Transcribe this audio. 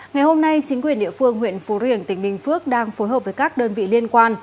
ngày hôm nay chính quyền địa phương huyện phú riềng tỉnh bình phước đang phối hợp với các đơn vị liên quan